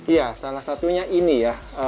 ya salah satunya ini ya